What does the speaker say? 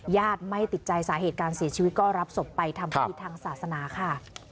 ญาติไม่ติดใจสาเหตุการเสียชีวิตก็รับศพไปทำพิธีทางศาสนาค่ะ